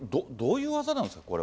どういう技なんですか？